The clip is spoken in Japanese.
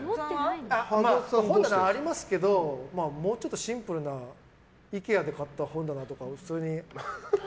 本棚ありますけどもうちょっとシンプルなイケアで買った本棚とか。